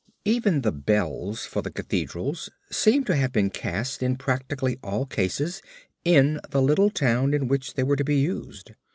Even the bells for the cathedrals seem to have been cast in practically all cases in the little town in which they were to be used.